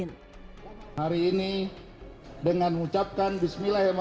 bersama bambang susatyo dan bamsud menegaskan alasannya maju untuk menyatukan semua faksi di golkar